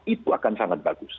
itu akan sangat bagus